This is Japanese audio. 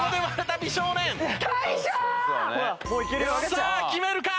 さあ決めるか？